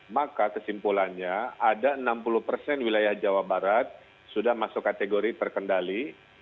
maka kesimpulannya ada enam puluh persen wilayah jawa barat sudah masuk kategori terkendali